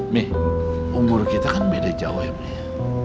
mih umur kita kan beda jauh ya mih